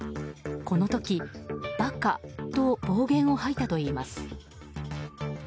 この時、「バカ」と暴言を吐いたといいます。